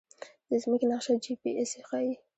د ځمکې نقشه جی پي اس ښيي